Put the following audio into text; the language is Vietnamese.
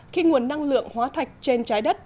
khi nguồn năng lượng hóa thạch trên trái đất